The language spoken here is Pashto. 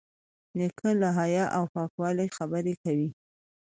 نیکه له حیا او پاکوالي خبرې کوي.